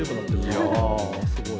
いやー、すごい。